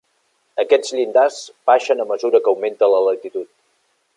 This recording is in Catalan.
Aquests llindars baixen a mesura que augmenta la latitud.